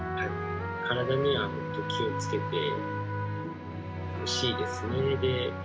体には本当、気をつけてほしいですね。